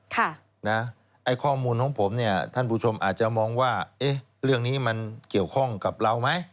ไอ้ข้อมูลของผมเนี่ยท่านผู้ชมอาจจะมองว่าเอ๊ะเรื่องนี้มันเกี่ยวข้องกับเราไหม